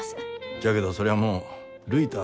じゃけどそりゃあもうるいたあ